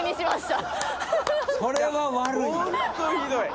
それは悪い。